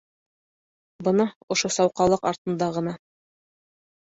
Бына ошо сауҡалыҡ артында ғына.